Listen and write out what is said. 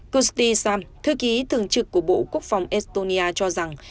kosie sam thư ký thường trực của bộ quốc phòng estonia cho rằng